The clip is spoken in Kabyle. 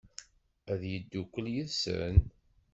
Ad yeddukel yid-sen?